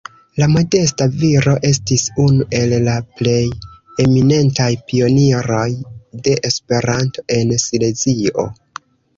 La modesta viro estis unu el la plej eminentaj pioniroj de Esperanto en Silezio.